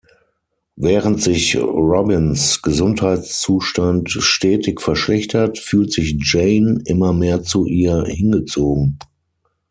Während sich Robins Gesundheitszustand stetig verschlechtert, fühlt sich Jane immer mehr zu ihr hingezogen.